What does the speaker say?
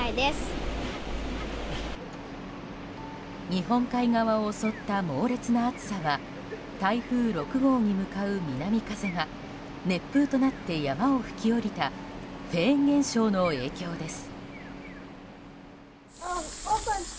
日本海側を襲った猛烈な暑さは台風６号に向かう南風が熱風となって山を吹き降りたフェーン現象の影響です。